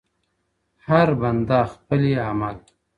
هر بنده، خپل ئې عمل.